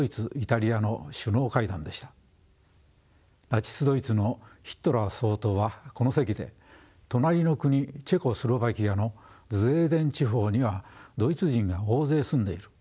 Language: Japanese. ナチスドイツのヒトラー総統はこの席で隣の国チェコスロバキアのズデーテン地方にはドイツ人が大勢住んでいる。